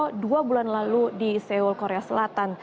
ini adalah yang akan dijalankan oleh bumn korea